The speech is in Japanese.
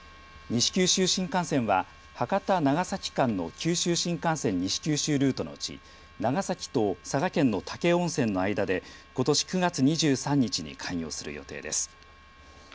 西九州新幹線は博多、長崎間の九州新幹線、西九州ルートのうち長崎と佐賀県の武雄温泉の間でことし９月２３日に開業する予定です。